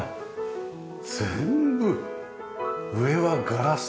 全部上はガラスだ！